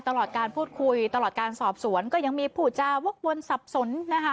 ตลอดการพูดคุยตลอดการสอบสวนก็ยังมีผู้จาวกวนสับสนนะคะ